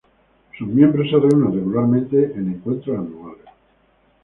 Sus miembros se reúnen regularmente en encuentros anuales.